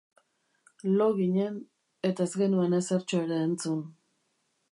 Lo ginen, eta ez genuen ezertxo ere entzun.